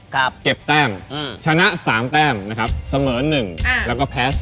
กับเก็บแต้มชนะ๓แต้มสะเหมือน๑และแพ้๐